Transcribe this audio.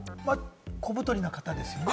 小太りな方ですよね？